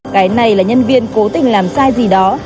cái này là nhân viên cố tình làm sai gì đó